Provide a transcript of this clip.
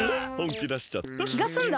きがすんだ？